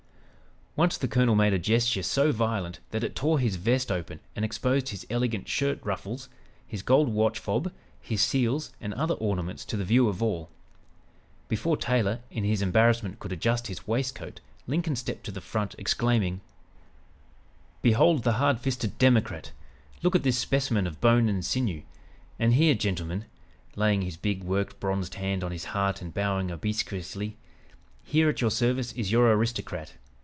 Once the colonel made a gesture so violent that it tore his vest open and exposed his elegant shirt ruffles, his gold watch fob, his seals and other ornaments to the view of all. Before Taylor, in his embarrassment, could adjust his waistcoat, Lincoln stepped to the front exclaiming: "Behold the hard fisted Democrat! Look at this specimen of 'bone and sinew' and here, gentlemen," laying his big work bronzed hand on his heart and bowing obsequiously "here, at your service, is your 'aristocrat!'